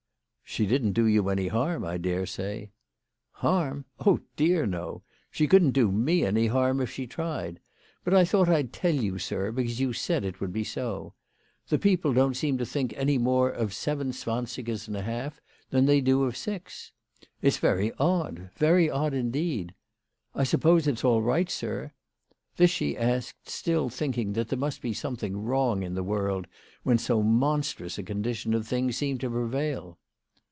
" She didn't do you any harm, I dare say." " Harm ; oh dear no ! She couldn't do me any harm if she tried. But I thought I'd tell you, sir, because you said it would be so. The people don't seem to think any more of seven zwansigers and a half than they do of six ! It's very odd, very odd, indeed. I suppose it's all right, sir?" This she asked, still thinking that there must be something wrong in the world when so monstrous a condition of things seemed to prevail.